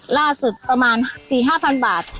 ล่าสุดประมาณ๔๕๐๐๐บาท